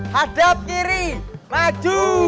hadap kiri maju